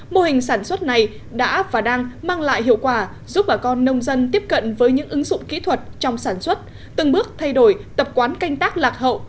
mô hình sản xuất này đã và đang mang lại hiệu quả giúp bà con nông dân tiếp cận với những ứng dụng kỹ thuật trong sản xuất từng bước thay đổi tập quán canh tác lạc hậu